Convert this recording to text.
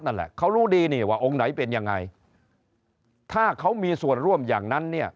นั่นแหละเขารู้ดีนี่ว่าองค์ไหนเป็นยังไงถ้าเขามีส่วนร่วมอย่างนั้นเนี่ย